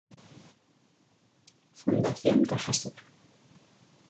Fundación CajaSur.